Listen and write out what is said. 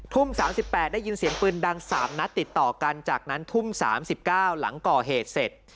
ทุ่ม๓๘ได้ยินเสียงปืนดัง๓นัดติดต่อกันจากนั้นทุ่ม๓๙หลังก่อเหตุเสร็จ